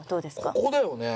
ここだよね？